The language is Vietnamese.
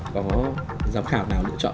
có giám khảo nào lựa chọn